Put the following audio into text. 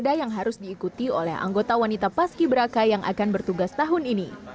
ada yang harus diikuti oleh anggota wanita paski beraka yang akan bertugas tahun ini